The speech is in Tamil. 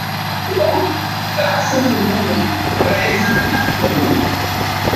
அரை பறக்கத் தலை பறக்கச் சீராட்டல்.